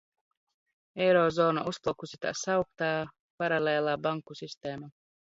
Eirozonā uzplaukusi tā sauktā paralēlā banku sistēma.